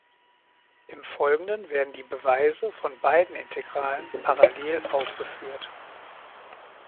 Im Folgenden werden die Beweise von beiden Integralen parallel aufgeführt.